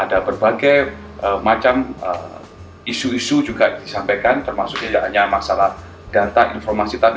ada berbagai macam isu isu juga disampaikan termasuk tidak hanya masalah data informasi tapi